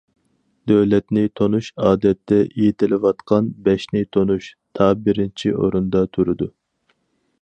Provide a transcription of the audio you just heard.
دۆلەتنى تونۇش ئادەتتە ئېيتىلىۋاتقان« بەشنى تونۇش» تا بىرىنچى ئورۇندا تۇرىدۇ.